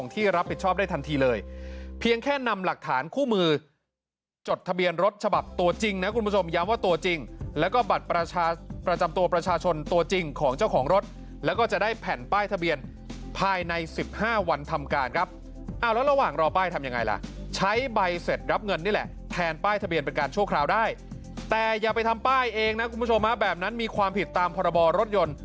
ตัวจริงนะคุณผู้ชมย้ำว่าตัวจริงแล้วก็บัตรประชาประจำตัวประชาชนตัวจริงของเจ้าของรถแล้วก็จะได้แผ่นป้ายทะเบียนภายใน๑๕วันทำการครับอ้าวแล้วระหว่างรอป้ายทำยังไงล่ะใช้ใบเสร็จรับเงินนี่แหละแทนป้ายทะเบียนเป็นการช่วงคราวได้แต่อย่าไปทำป้ายเองนะคุณผู้ชมมาแบบนั้นมีความผิดตามพรบร